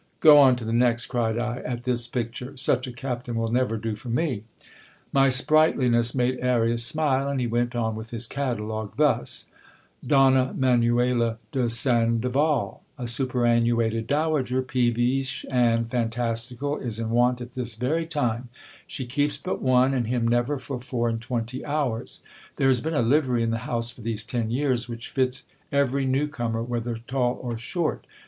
Go on to the next, cried I, at this picture ; such a captain will never do for me. My 4 o GIL BLAS. sprightliness made Arias smile, and he went on with his catalogue thus : Donna Menuela de Sandoval, a superannuated dowager, peevish and fantastical, is in want at this very time ; she keeps but one, and him never for four and twenty hours. There has been a livery in the house for these ten years, which fits every new comer, whether tall or short.